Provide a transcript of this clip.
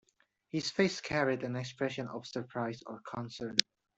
His face carried an expression of surprise or concern.